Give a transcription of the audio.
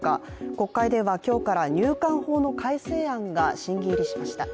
国会では今日から入管法の改正案が審議入りしました。